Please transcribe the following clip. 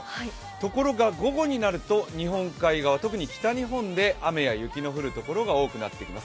ところが、午後になると日本海側、特に北日本で、雨や雪の降る所が多くなってきます。